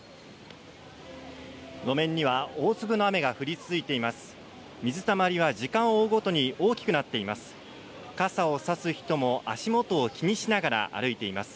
路面には大粒の雨が降り続いています。